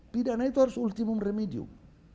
pidana itu harus ultimum remedium